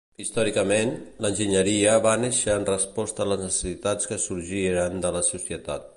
Històricament, l'enginyeria va néixer en resposta a les necessitats que sorgiren de la societat.